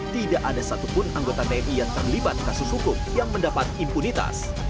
tidak ada satupun anggota tni yang terlibat kasus hukum yang mendapat impunitas